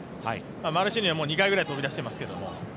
マルシーニョはもう２回くらい飛び出してますけど。